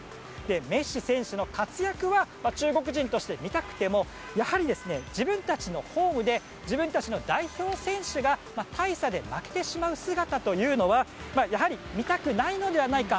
メッシ選手の活躍は中国人として見たくてもやはり自分たちのホームで自分たちの代表選手が大差で負けてしまう姿というのはやはり見たくないのではないか。